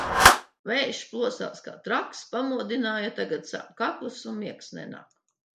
Vējš plosās ka traks, pamodināja, tagad sāp kakls un miegs nenāk.